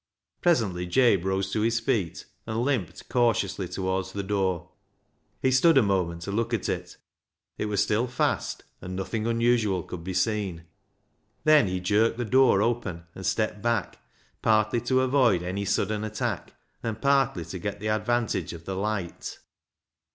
Presently Jabe rose to his feet, and limped cautiously towards the door. He stood a moment to look at it. It was still fast, and nothing unusual could be seen. Then he jerked the door open and stepped back, partly to avoid any sudden attack, and partly to get the advantage of the light.